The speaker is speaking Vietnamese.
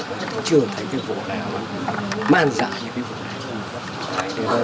tôi gần năm đôi tuổi chưa thấy cái vụ nào mà man dạ như cái vụ này